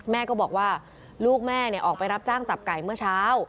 แม่ก็บอกว่าลูกแม่ออกไปรับจ้างจับไก่เมื่อเช้า